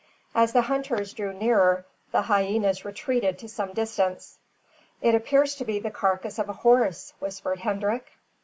As the hunters drew nearer, the hyenas retreated to some distance. "It appears to be the carcass of a horse," whispered Hendrik.